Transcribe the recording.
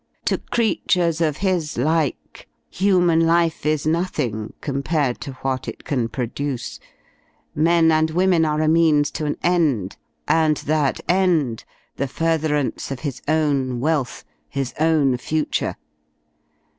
To creatures of his like human life is nothing compared to what it can produce. Men and women are a means to an end, and that end, the furtherance of his own wealth, his own future.